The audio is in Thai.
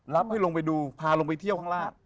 ให้ลงไปดูพาลงไปเที่ยวข้างล่าง